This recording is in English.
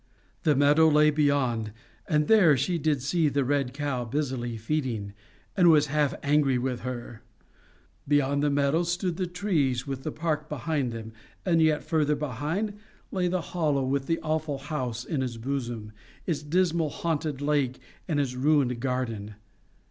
The meadow lay beyond, and there she did see the red cow busily feeding, and was half angry with her. Beyond the meadow stood the trees, with the park behind them. And yet further behind lay the hollow with the awful house in its bosom, its dismal haunted lake and its ruined garden.